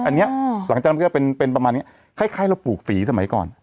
อันนี้หลังจากนั้นก็จะเป็นประมาณนี้คล้ายเราปลูกฝีสมัยก่อน